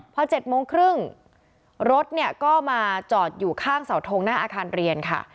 พอ๗โมงครึ่งรถเนี่ยก็มาจอดอยู่ข้างเสาทงหน้าอาคารเรียนค่ะ